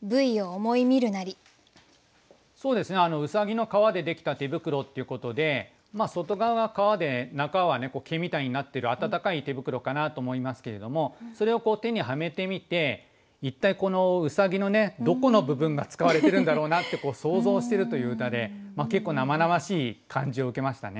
兎の革で出来た手袋っていうことで外側は革で中は毛みたいになってる暖かい手袋かなと思いますけれどもそれを手にはめてみて一体この兎のねどこの部分が使われてるんだろうなって想像してるという歌で結構生々しい感じを受けましたね。